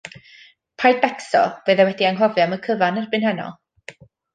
Paid becso, fydd e wedi anghofio am y cyfan erbyn heno.